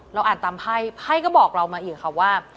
อ่านตามไพ่ไพ่ก็บอกเรามาอีกค่ะว่า